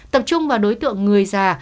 tập trung vào đối tượng người già